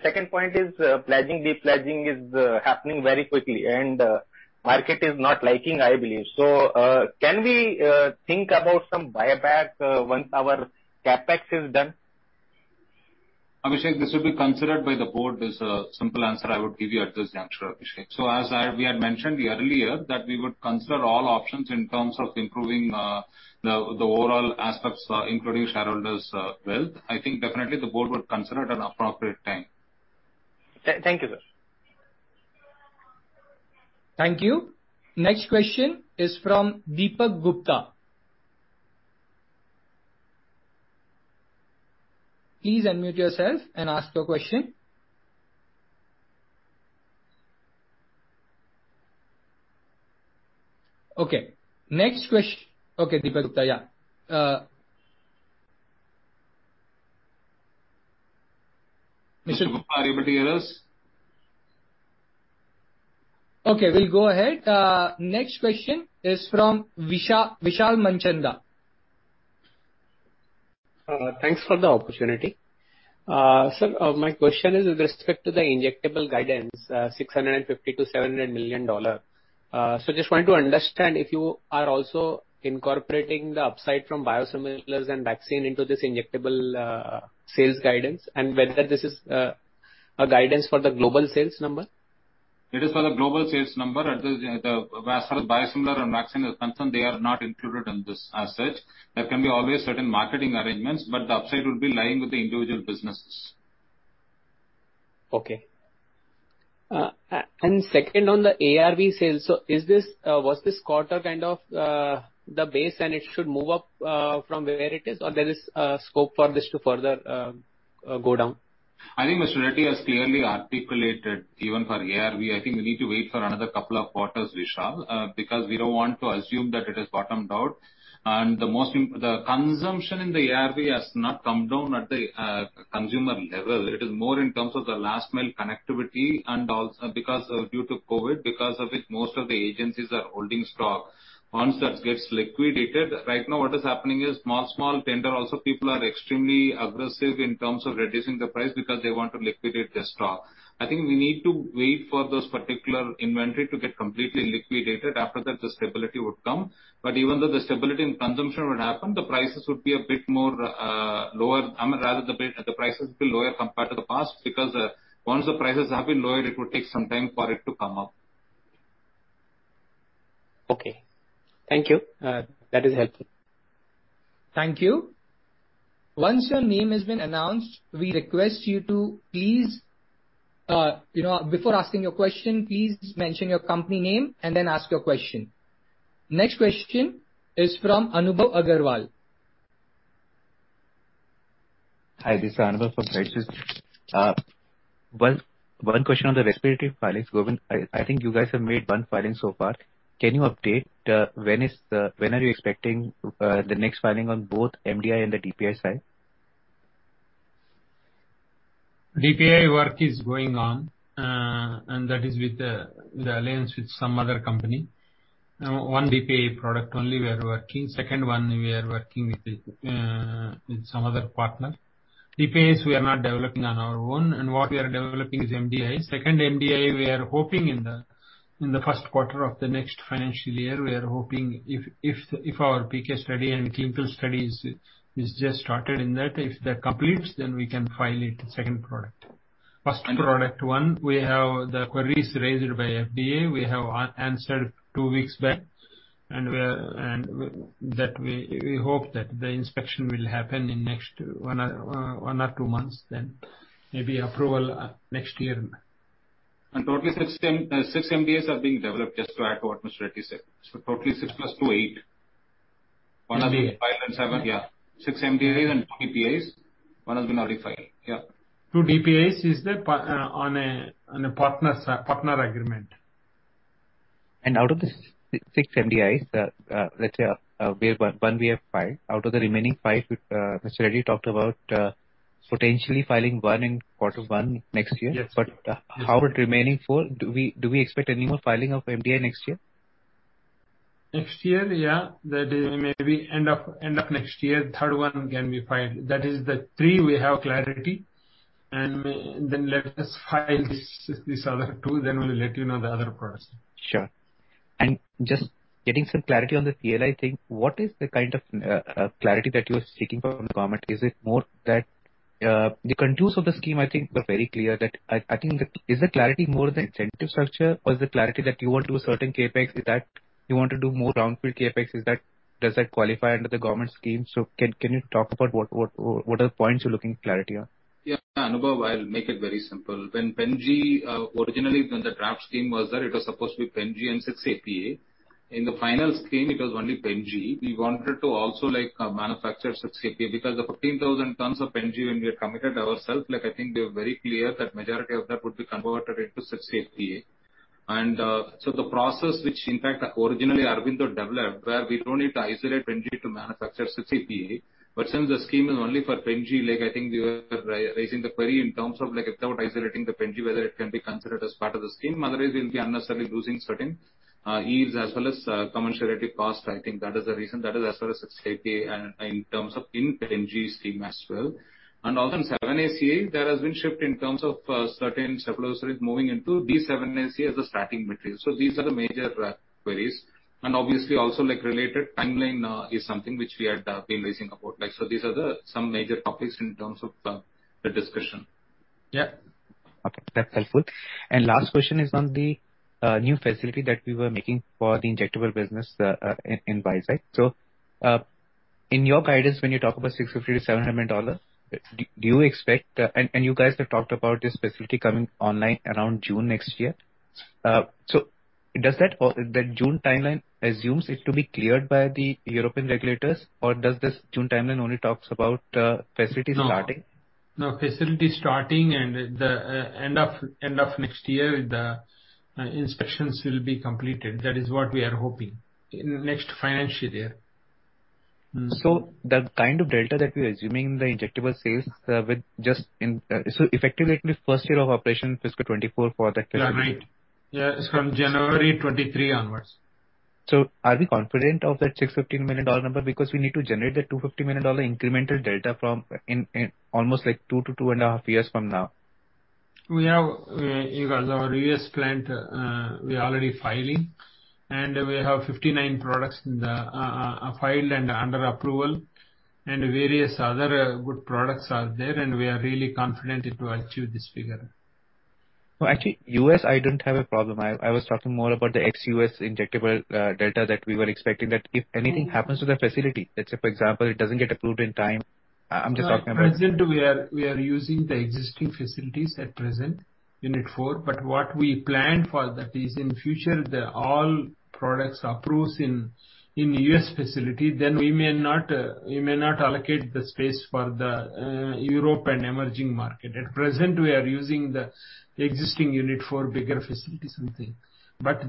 Second point is pledging, de-pledging is happening very quickly and market is not liking, I believe. Can we think about some buyback once our CapEx is done? Abhishek, this will be considered by the board is a simple answer I would give you at this juncture, Abhishek. As we had mentioned earlier that we would consider all options in terms of improving the overall aspects, including shareholders' wealth. I think definitely the board would consider it at appropriate time. Thank you, sir. Thank you. Next question is from Deepak Gupta. Please unmute yourself and ask your question. Okay, Deepak Gupta, yeah. Deepak, are you able to hear us? Okay, we'll go ahead. Next question is from Vishal Manchanda. Thanks for the opportunity. Sir, my question is with respect to the injectables guidance, $650 million-$700 million. Just wanted to understand if you are also incorporating the upside from biosimilars and vaccine into this injectables sales guidance, and whether this is a guidance for the global sales number. It is for the global sales number. As far as biosimilar and vaccine is concerned, they are not included in this as such. There can be always certain marketing arrangements, but the upside would be lying with the individual businesses. Okay. Second, on the ARV sales, was this quarter kind of the base and it should move up from where it is, or there is scope for this to further go down? I think Mr. Reddy has clearly articulated even for ARV. I think we need to wait for another couple of quarters, Vishal, because we don't want to assume that it has bottomed out. The consumption in the ARV has not come down at the consumer level. It is more in terms of the last mile connectivity and also because due to COVID, because of it, most of the agencies are holding stock. Once that gets liquidated. Right now, what is happening is small tender also people are extremely aggressive in terms of reducing the price because they want to liquidate their stock. I think we need to wait for those particular inventory to get completely liquidated. After that, the stability would come. Even though the stability and consumption would happen, the prices would be a bit more lower. I mean, rather the bit, the prices will be lower compared to the past because once the prices have been lowered, it will take some time for it to come up. Okay. Thank you. That is helpful. Thank you. Once your name has been announced, we request you to please, before asking your question, please mention your company name and then ask your question. Next question is from Anubhav Agarwal. Hi, this is Anubhav from Credit Suisse. One question on the respiratory filings, Govind. I think you guys have made one filing so far. Can you update when you are expecting the next filing on both MDI and the DPI side? DPI work is going on, and that is with the alliance with some other company. One DPI product only we are working. Second one we are working with the, with some other partner. DPIs we are not developing on our own, and what we are developing is MDI. Second MDI, we are hoping in the first quarter of the next financial year, we are hoping if our PK study and clinical studies is just started in that, if that completes, then we can file it, second product. First product one, we have the queries raised by FDA. We have answered two weeks back, and that we hope that the inspection will happen in next one or two months, then maybe approval next year. Totally six MDIs are being developed, just to add to what Mr. Reddy said. Totally 6+2=8. Eighth and seven yeah. Six MDIs and two DPIs. One has been already filed. Yeah. Two DPIs is the partner agreement. Out of these six MDIs, let's say, we have one we have filed. Out of the remaining five, Mr. Reddy talked about potentially filing one in quarter one next year. Yes. How would remaining four? Do we expect any more filing of MDI next year? Next year, yeah. That is maybe end of next year, third one can be filed. That is the three we have clarity. Let us file this other two, then we'll let you know the other products. Sure. Just getting some clarity on the PLI thing, what is the kind of clarity that you're seeking from the government? Is it more that the contours of the scheme I think were very clear? Is the clarity more the incentive structure, or is the clarity that you want to do a certain CapEx? Is it that you want to do more downfield CapEx? Does that qualify under the government scheme? Can you talk about what the points you're looking for clarity on? Yeah, Anubhav. I'll make it very simple. When Pen-G, originally when the draft scheme was there, it was supposed to be Pen-G and 6-APA. In the final scheme, it was only Pen-G. We wanted to also like, manufacture 6-APA because the 15,000 tons of Pen-G when we had committed ourselves, like, I think we are very clear that majority of that would be converted into 6-APA. The process which in fact originally Aurobindo developed, where we don't need to isolate Pen-G to manufacture 6-APA. But since the scheme is only for Pen-G, like, I think we were raising the query in terms of like without isolating the Pen-G, whether it can be considered as part of the scheme. Otherwise, we'll be unnecessarily losing certain yields as well as commensurate costs. I think that is the reason. That is as far as 6-APA and in terms of Pen-G scheme as well. Also in 7-ACA, there has been shift in terms of certain cephalosporins moving into these 7-ACA as a starting material. These are the major queries. Obviously also like related timeline is something which we had been raising about. These are the some major topics in terms of the discussion. Yeah. Okay. That's helpful. Last question is on the new facility that we were making for the injectable business in Vizag. In your guidance, when you talk about $650 million-$700 million, do you expect? You guys have talked about this facility coming online around June next year. Does that or the June timeline assume it to be cleared by the European regulators, or does this June timeline only talk about facility starting? New facility starting at the end of next year, the inspections will be completed. That is what we are hoping. In next financial year. The kind of delta that we're assuming in the injectable sales, effectively it will be first year of operation fiscal 2024 for the. Yeah, right. Yeah, it's from January 2023 onwards. Are we confident of that $615 million number? Because we need to generate the $250 million incremental data almost like two to 2.5 years from now. We have, because our U.S. plant, we are already filing, and we have 59 products in the filed and under approval, and various other good products are there, and we are really confident it will achieve this figure. Well, actually, U.S. I don't have a problem. I was talking more about the ex-U.S. injectable data that we were expecting that if anything happens to the facility, let's say for example it doesn't get approved in time. I'm just talking about. At present we are using the existing facilities at present, Unit 4. What we plan for that is in future all products approved in U.S. facility, then we may not allocate the space for Europe and emerging market. At present we are using the existing unit for bigger facilities and things.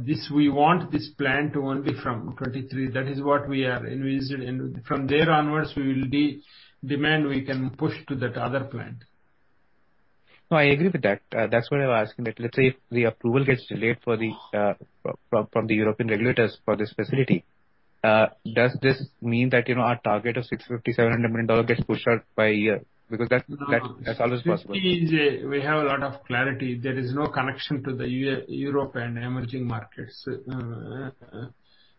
This, we want this plant only from 2023. That is what we have envisioned. From there onwards, we will demand, we can push to that other plant. No, I agree with that. That's why I'm asking that let's say if the approval gets delayed for the from the European regulators for this facility, does this mean that, you know, our target of $650 million-$700 million gets pushed out by a year? Because that's always possible. We have a lot of clarity. There is no connection to the Europe and emerging markets.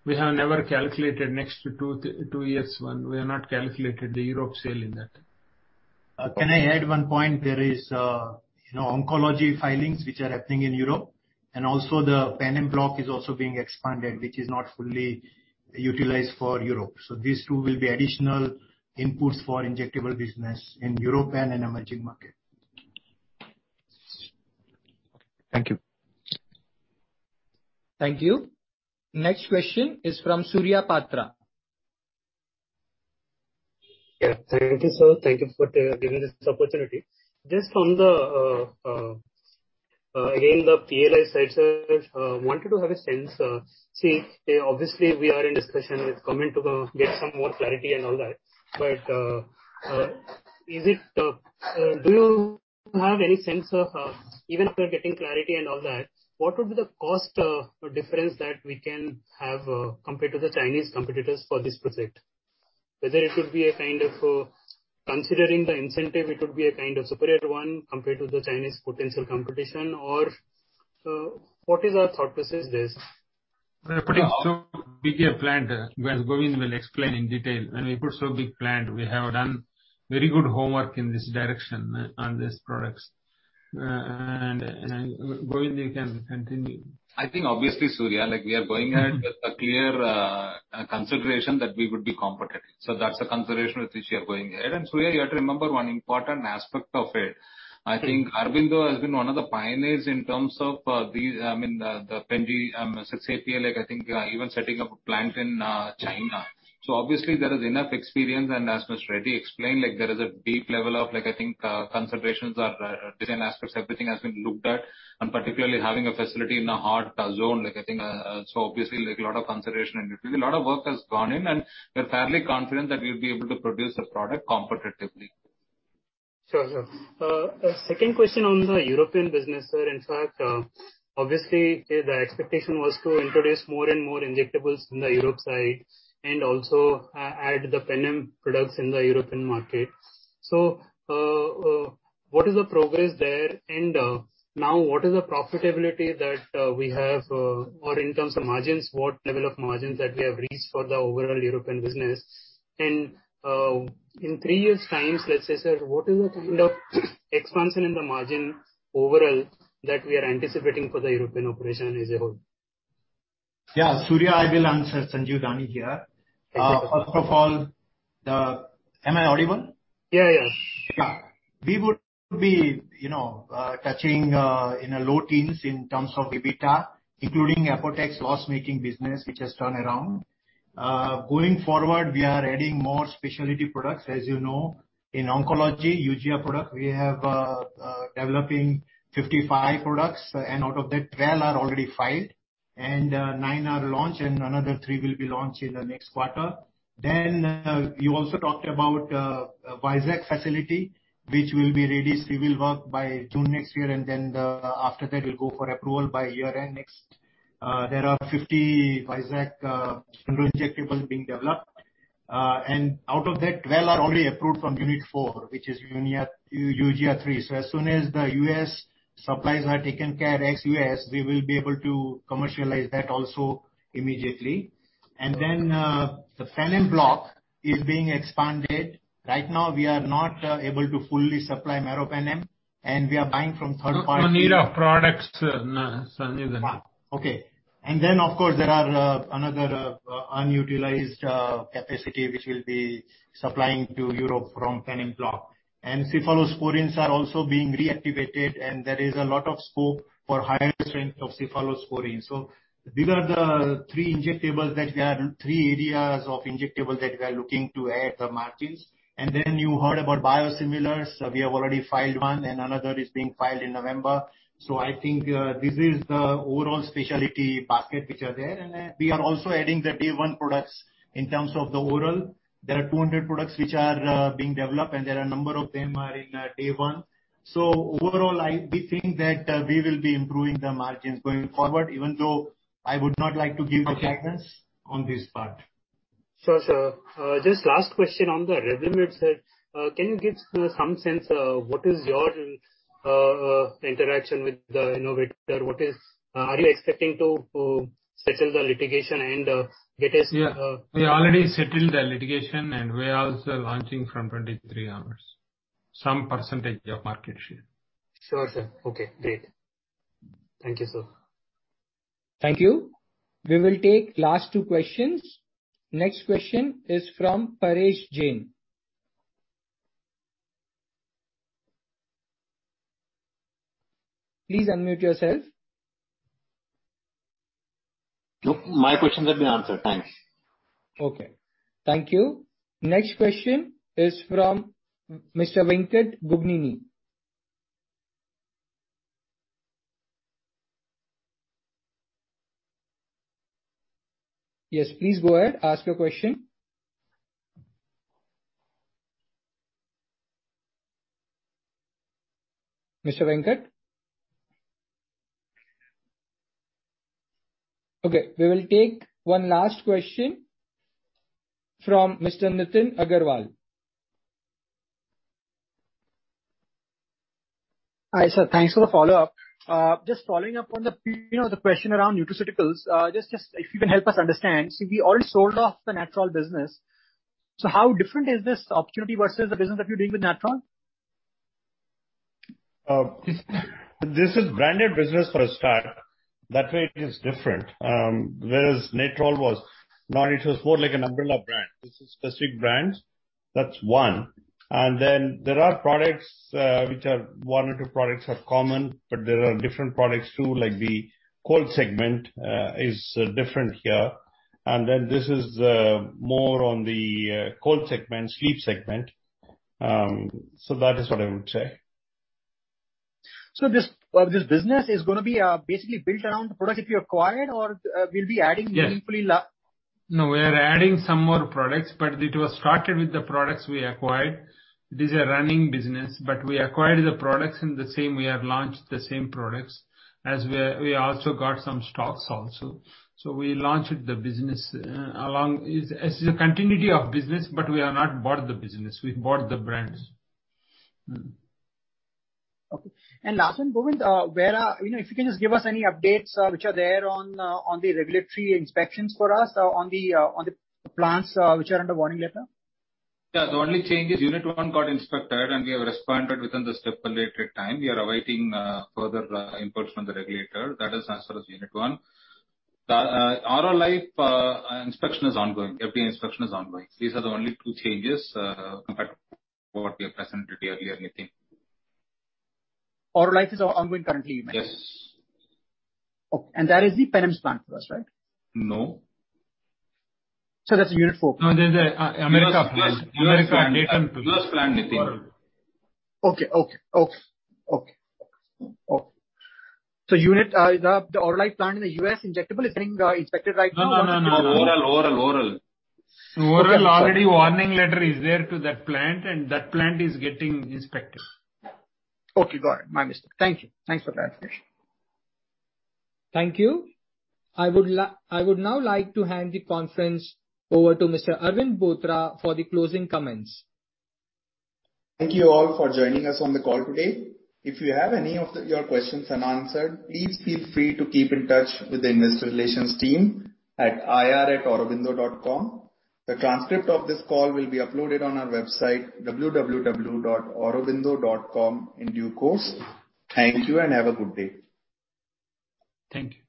We have never calculated next two years when we have not calculated the Europe sales in that. Can I add one point? There is, you know, oncology filings which are happening in Europe, and also the Penem Block is also being expanded, which is not fully utilized for Europe. These two will be additional inputs for injectable business in Europe and emerging market. Thank you. Thank you. Next question is from Surya Patra. Yeah, thank you sir. Thank you for giving this opportunity. Just on the, again, the PLI side, sir, wanted to have a sense. See, obviously we are in discussion with government to get some more clarity and all that. Is it, do you have any sense of, even after getting clarity and all that, what would be the cost difference that we can have, compared to the Chinese competitors for this project? Whether it could be a kind of, considering the incentive, it could be a kind of superior one compared to the Chinese potential competition, or, what is our thought process this? We're putting so bigger plant. Well, Govind will explain in detail. When we put so big plant, we have done very good homework in this direction on these products. And Govind, you can continue. I think obviously, Surya, like we are going ahead with a clear consideration that we would be competitive. That's a consideration with which we are going ahead. Surya, you have to remember one important aspect of it. I think Aurobindo has been one of the pioneers in terms of these, I mean, the Pen-G, 6-APA, like I think even setting up a plant in China. Obviously there is enough experience and as Mr. Reddy explained, like there is a deep level of like I think considerations or design aspects, everything has been looked at. Particularly having a facility in a hot zone, like I think obviously like a lot of consideration and a lot of work has gone in and we're fairly confident that we'll be able to produce a product competitively. Sure, sir. Second question on the European business, sir. In fact, obviously the expectation was to introduce more and more injectables in the Europe side and also add the Penem products in the European market. What is the progress there? Now what is the profitability that we have, or in terms of margins, what level of margins that we have reached for the overall European business? In three years' times, let's say, sir, what is the kind of expansion in the margin overall that we are anticipating for the European operation as a whole? Yeah, Surya, I will answer. Sanjeev Dani here. Thank you. Am I audible? Yeah, yeah. Yeah. We would be, you know, touching in the low teens% in terms of EBITDA, including Apotex loss-making business, which has turned around. Going forward, we are adding more specialty products. As you know, in oncology, Eugia products, we are developing 55 products, and out of that, 12 are already filed and nine are launched and another 3 will be launched in the next quarter. You also talked about Vizag facility, which will be ready civil work by June next year, and after that will go for approval by year-end next. There are 50 Vizag injectables being developed. And out of that, 12 are already approved from Unit 4, which is Eugia 3. So as soon as the US supplies are taken care of ex-US, we will be able to commercialize that also immediately. The Penem Block is being expanded. Right now we are not able to fully supply meropenem, and we are buying from third parties. No need of products, Sanjeev Dani. Okay. Then of course, there are another underutilized capacity which will be supplying to Europe from Penem Block. Cephalosporins are also being reactivated, and there is a lot of scope for higher strength of cephalosporins. These are the three areas of injectables that we are looking to add the margins. You heard about biosimilars. We have already filed one, and another is being filed in November. I think this is the overall specialty basket which are there. We are also adding the Tier one products in terms of the oral. There are 200 products which are being developed, and there are a number of them in Tier one. Overall, we think that we will be improving the margins going forward, even though I would not like to give a guidance on this part. Sure, sir. Just last question on the Revlimid, sir. Can you give some sense of what is your interaction with the innovator? Are you expecting to settle the litigation. Yeah. We already settled the litigation and we are also launching from 2023 onwards some percentage of market share. Sure, sir. Okay, great. Thank you, sir. Thank you. We will take last two questions. Next question is from Paresh Jain. Please unmute yourself. No, my questions have been answered. Thanks. Okay. Thank you. Next question is from Mr. Venkat Bugnini. Yes, please go ahead. Ask your question. Mr. Venkat? Okay, we will take one last question from Mr. Nitin Agarwal. Hi, sir. Thanks for the follow-up. Just following up on the, you know, the question around nutraceuticals. Just if you can help us understand. We already sold off the Natrol business. How different is this opportunity versus the business that you're doing with Natrol? This is branded business for a start. That way it is different, whereas Natrol was not. It was more like an umbrella brand. This is specific brands. That's one. Then there are products which are one or two products are common, but there are different products too, like the cold segment is different here. Then this is more on the cold segment, sleep segment. That is what I would say. This business is gonna be basically built around the products that you acquired or will be adding. Yes. No, we are adding some more products, but it was started with the products we acquired. These are running business, but we acquired the products in the same way we have launched the same products as we're, we also got some stocks. We launched the business as a continuity of business, but we have not bought the business. We've bought the brands. Okay. Last one, Govind, where you know, if you can just give us any updates, which are there on the regulatory inspections for us, on the plants, which are under warning letter? Yeah. The only change is unit one got inspected and we have responded within the stipulated time. We are awaiting further inputs from the regulator. That is as far as unit one. The Aurolife inspection is ongoing. FDA inspection is ongoing. These are the only two changes compared to what we have presented earlier, Nitin. Aurolife is ongoing currently, you meant? Yes. Okay. That is the Penems plant for us, right? No. That's unit four? No, there's an American plant. U.S. plant. America and Italy. U.S. plant, Nitin Okay. The Aurolife plant in the U.S. injectable is getting inspected right now? No, no, no. No. Oral. Aurolife, already warning letter is there to that plant and that plant is getting inspected. Okay, got it. My mistake. Thank you. Thanks for clarification. Thank you. I would now like to hand the conference over to Mr. Arvind Bothra for the closing comments. Thank you all for joining us on the call today. If you have any of your questions unanswered, please feel free to keep in touch with the investor relations team at ir@aurobindo.com. The transcript of this call will be uploaded on our website, www.aurobindo.com, in due course. Thank you and have a good day. Thank you.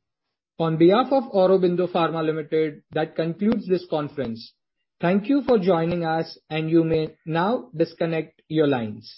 On behalf of Aurobindo Pharma Limited, that concludes this conference. Thank you for joining us, and you may now disconnect your lines.